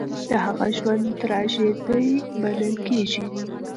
د هغه ژوند تراژيدي بلل کېږي.